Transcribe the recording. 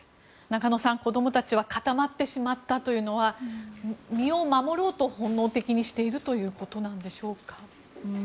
中野さん、子供たちは固まってしまったというのは身を守ろうと本能的にしているということなんでしょうか。